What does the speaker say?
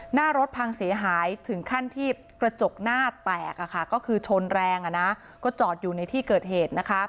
หน้ารถพังเสียหายถึงขั้นที่กระจกหน้าแตกก็คือชนแรงก็จอดอยู่ในที่เกิดเหตุ